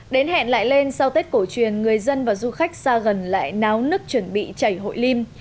đến hẹn lại lên sau tết cổ truyền người dân và du khách xa gần lại náo nước chuẩn bị chảy hội lim